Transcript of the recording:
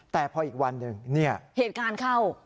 แต่พออีกวันหนึ่งเนี่ยเหตุการณ์เข้า